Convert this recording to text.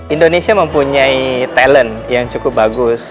indonesia mempunyai talent yang cukup bagus